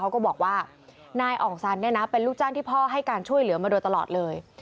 ก็บอกว่านายอ่องซันเนี่ยนะเป็นลูกจ้างที่พ่อให้การช่วยเหลือมาโดยตลอดเลย